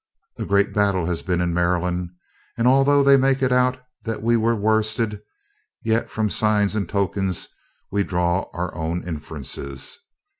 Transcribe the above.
A great battle has been in Maryland, and, although they make it out that we were worsted, yet from signs and tokens we draw our own inferences.